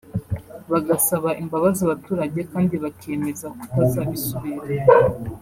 bagasaba imbabazi abaturage kandi bakiyemeza kutazabisubira